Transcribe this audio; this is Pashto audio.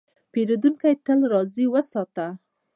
پیرودونکی تل راضي وساته.